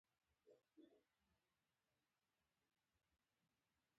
پرېږده مړه په تا به ئې هم څپياكه اوېزانده كړې وي۔